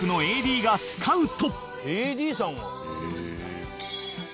「ＡＤさんが？」